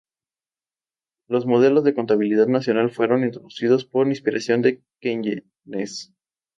Los modelos de contabilidad nacional fueron introducidos por inspiración de Keynes.